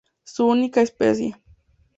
Su única especie.